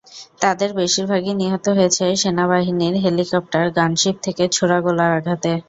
তাদের বেশির ভাগই নিহত হয়েছে সেনাবাহিনীর হেলিকপ্টার গানশিপ থেকে ছোড়া গোলার আঘাতে।